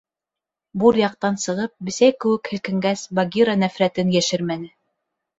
— Буръяҡтан сығып, бесәй кеүек һелкенгәс, Багира нәфрәтен йәшермәне.